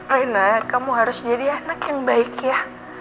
raina kamu harus jadi anak yang baik ya